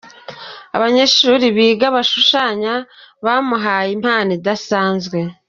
Abanyeshuri biga gushushanya bamuhaye impano idasanzwe .